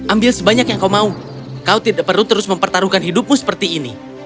ambil sebanyak yang kau mau kau tidak perlu terus mempertaruhkan hidupmu seperti ini